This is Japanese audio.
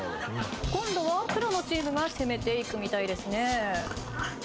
今度は黒のチームが攻めていくみたいですね。